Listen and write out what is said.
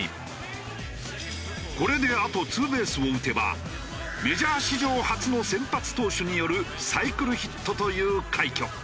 これであとツーベースを打てばメジャー史上初の先発投手によるサイクルヒットという快挙。